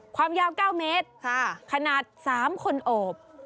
ความยาว๙เมตรขนาด๓คนโอบ